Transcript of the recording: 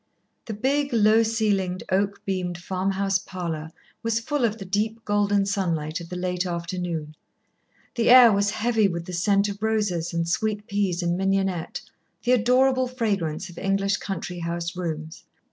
The big, low ceilinged, oak beamed farm house parlour was full of the deep golden sunlight of the late afternoon, the air was heavy with the scent of roses and sweet peas and mignonette, the adorable fragrance of English country house rooms.